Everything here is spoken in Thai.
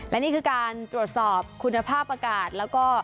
และนี่คือการตรวจสอบคุณภาพอากาศแล้วก็